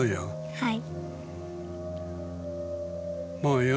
はい。